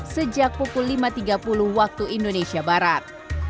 sejak pukul lima tiga puluh waktu indonesia barat